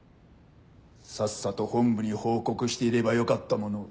さっさと本部に報告していればよかったものを。